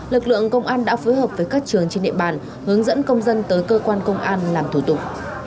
lực lượng công an đã phối hợp với các trường trên địa bàn hướng dẫn công dân tới cơ quan công an làm thủ tục